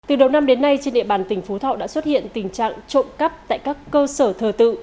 từ đầu năm đến nay trên địa bàn tỉnh phú thọ đã xuất hiện tình trạng trộm cắp tại các cơ sở thờ tự